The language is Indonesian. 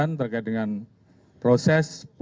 ini tapi bagi orang juswa